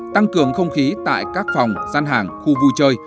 tăng cường không khí tại các phòng gian hàng khu vui chơi